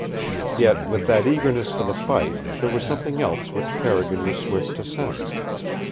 Yet, with that eagerness for the fight there was something else which Carrigan was swift to sense.